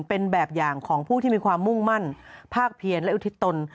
เป็นแบบอย่างของผู้ที่มีความมุ่งมั่นภาคเพียรและอุทิศตน